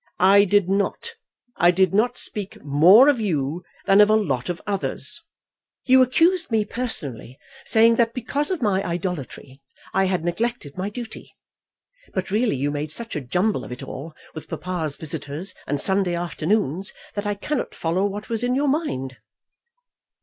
"I did not. I did not speak more of you than of a lot of others." "You accused me personally, saying that because of my idolatry I had neglected my duty; but really you made such a jumble of it all, with papa's visitors, and Sunday afternoons, that I cannot follow what was in your mind."